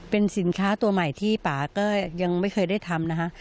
เป็นสินค้าตัวใหม่ที่ป่าก็ยังไม่เคยได้ทำนะคะ